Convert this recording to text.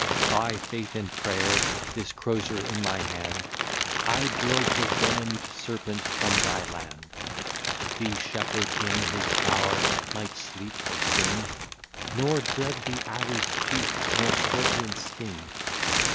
By faith and prayer, this crosier in my hand, I drove the venom'd serpent from thy land: The shepherd in his bower might sleep or sing, Nor dread the adder's tooth, nor scorpion's sting.